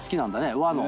和の。